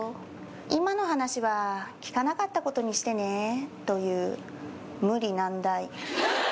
今の話は聞かなかったことにしてねーという無理難題。